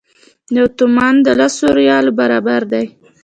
یو تومان د لسو ریالو برابر دی.